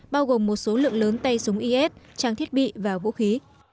bao gồm một số lượng lớn tay súng is trang thiết bị và vũ khí